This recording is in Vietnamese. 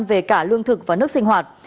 về cả lương thực và nước sinh hoạt